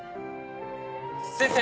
先生！